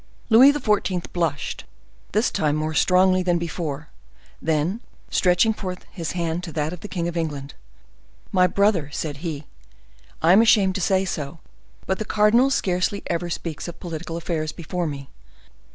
Louis XIV. blushed, this time more strongly than before; then, stretching forth his hand to that of the king of England, "My brother," said he, "I am ashamed to say so, but the cardinal scarcely ever speaks of political affairs before me.